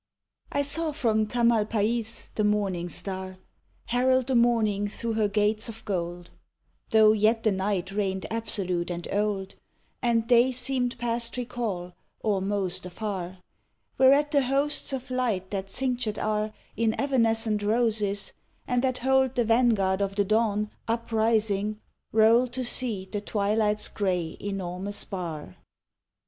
I saw from Tamalpais the morning star Herald the morning thro' her gates of gold (Tho' yet the night reigned absolute and old, And day seemed past recall, or most afar) ; Whereat the hosts of light that cinctured are In evanescent roses, and that hold The vanguard of the dawn, uprising, rolled To sea the twilight's grey, enormous bar.